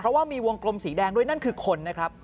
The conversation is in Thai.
เพราะว่ามีวงกลมสีแดงด้วยนั่นคือคนนะครับ